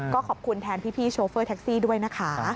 ก็ขอบคุณแทนพี่โชเฟอร์แท็กซี่ด้วยนะคะ